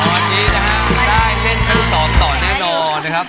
ค่ะอันนี้นะฮะได้เช่นขั้นที่๒ต่อแน่นอนนะครับ